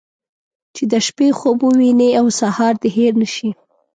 چې د شپې خوب ووينې او سهار دې هېر نه شي.